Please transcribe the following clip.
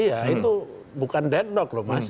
iya itu bukan deadlock loh mas